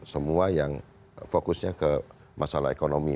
semua yang fokusnya ke masalah ekonomi